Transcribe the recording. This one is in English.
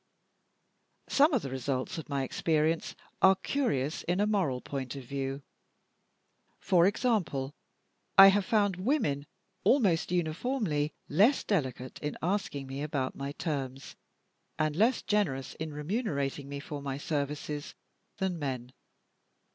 Some of the results of my experience are curious in a moral point of view. For example, I have found women almost uniformly less delicate in asking me about my terms, and less generous in remunerating me for my services, than men.